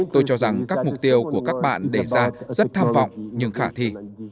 tôi cho rằng các mục tiêu của các bạn đề ra rất tham vọng nhưng khả thi